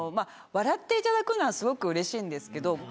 笑っていただくのはすごくうれしいんですけど。